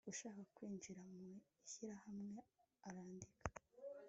ushaka kwinjira mu ishyirahamwe arandika